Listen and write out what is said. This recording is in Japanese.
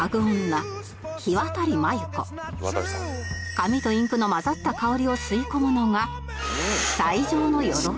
紙とインクの混ざった香りを吸い込むのが